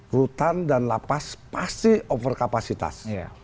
rutan dan lapas pasti over kapasitas